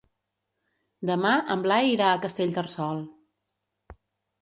Demà en Blai irà a Castellterçol.